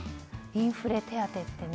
インフレ手当って